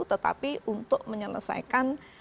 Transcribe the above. tetapi untuk menyelesaikan